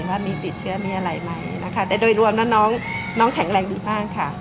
ว่ามีติดเชื้อมีอะไรไหมนะคะแต่โดยรวมแล้วน้องแข็งแรงดีมากค่ะ